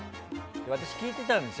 私、聞いてたんですよ